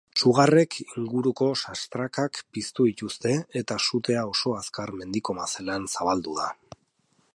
Sugarrek inguruko sastrakak piztu dituzte eta sutea oso azkar mendiko mazelan zabaldu da.